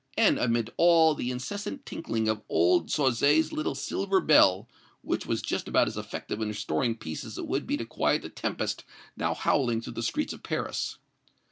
and, amid all, the incessant tinkling of old Sauzet's little silver bell, which was just about as effective in restoring peace as it would be to quiet the tempest now howling through the streets of Paris.